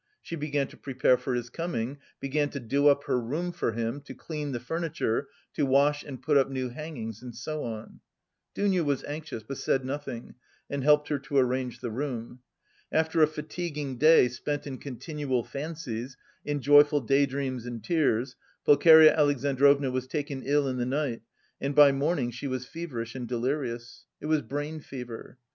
She began to prepare for his coming, began to do up her room for him, to clean the furniture, to wash and put up new hangings and so on. Dounia was anxious, but said nothing and helped her to arrange the room. After a fatiguing day spent in continual fancies, in joyful day dreams and tears, Pulcheria Alexandrovna was taken ill in the night and by morning she was feverish and delirious. It was brain fever.